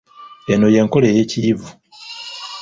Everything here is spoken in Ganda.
Eno y'enkola ey'ekiyivu.